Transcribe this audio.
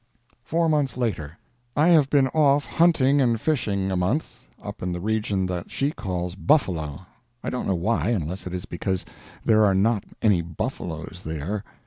FOUR MONTHS LATER. I have been off hunting and fishing a month, up in the region that she calls Buffalo; I don't know why, unless it is because there are not any buffaloes there.